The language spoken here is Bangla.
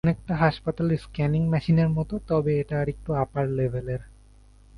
অনেকটা হাসপাতালের স্ক্যানিং মেশিনের মতো, তবে এটা আরেকটু আপার লেভেলের!